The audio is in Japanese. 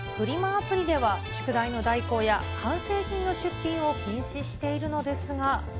アプリでは、宿題の代行や完成品の出品を禁止しているのですが。